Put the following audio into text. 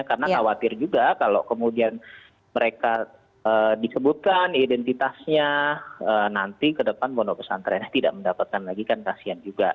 karena khawatir juga kalau kemudian mereka disebutkan identitasnya nanti ke depan pondok pesantrennya tidak mendapatkan lagi kan kasian juga